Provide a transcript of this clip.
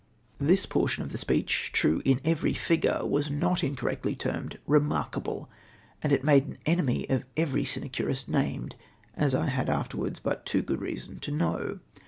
This portion of the speech, true in every figure, was not incorrectly termed " remarkable ;" and it made an enemy of every sinecmist named, as I had afterwards but too good reason to know.